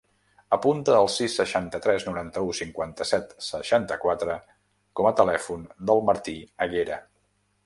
Apunta el sis, seixanta-tres, noranta-u, cinquanta-set, seixanta-quatre com a telèfon del Martí Aguera.